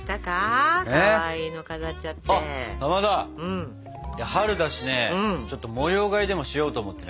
あっかまど春だしねちょっと模様替えでもしようと思ってね。